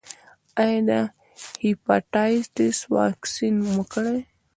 ایا د هیپاټایټس واکسین مو کړی دی؟